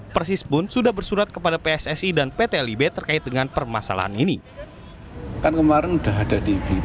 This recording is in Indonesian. persis pun sudah bersurat kepada pssi dan pt lib terkait dengan permasalahan ini